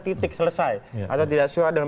titik selesai atau tidak sesuai dengan